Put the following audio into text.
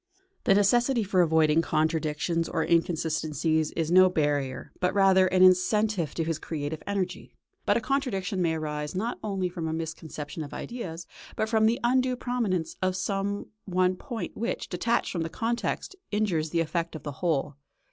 The necessity for avoiding contradictions or inconsistencies is no barrier, but rather an incentive to his creative energy. But a contradiction may arise not only from a misconception of ideas, but from the undue prominence of some one point which, detached from the context, injures the effect of the whole.